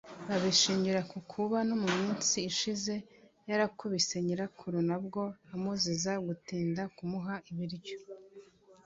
babishingira ku kuba no mu minsi ishize yarakubise Nyirakuru nabwo amuziza gutinda kumuha ibiryo